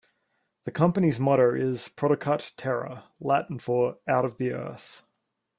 The Company's motto is "Producat Terra", Latin for "Out of the Earth".